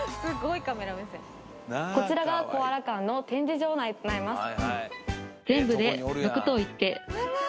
こちらがコアラ館の展示場内となります